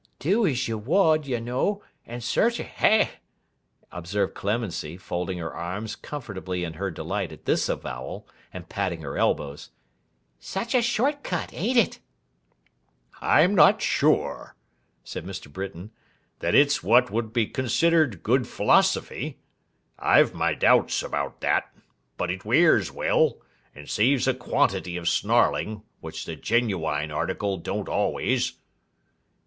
'Do as you wold, you know, and cetrer, eh!' observed Clemency, folding her arms comfortably in her delight at this avowal, and patting her elbows. 'Such a short cut, an't it?' 'I'm not sure,' said Mr. Britain, 'that it's what would be considered good philosophy. I've my doubts about that; but it wears well, and saves a quantity of snarling, which the genuine article don't always.